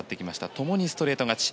共にストレート勝ち。